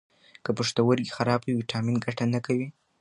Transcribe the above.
که پښتورګي خراب وي، ویټامین ګټه نه کوي.